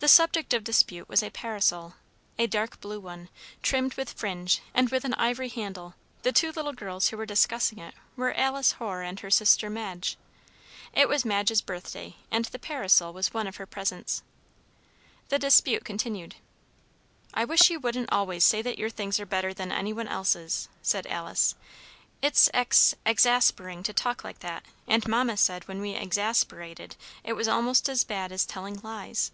The subject of dispute was a parasol, a dark blue one, trimmed with fringe, and with an ivory handle. The two little girls who were discussing it were Alice Hoare and her sister Madge. It was Madge's birthday, and the parasol was one of her presents. The dispute continued. "I wish you wouldn't always say that your things are better than any one else's," said Alice. "It's ex exaspering to talk like that, and Mamma said when we exasperated it was almost as bad as telling lies."